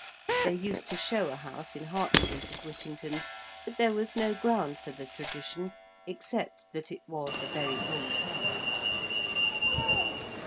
They used to show a house in Hart Street as Whittington's, but there was no ground for the tradition except that it was a very old house.